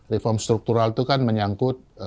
reform struktural itu kan menyangkut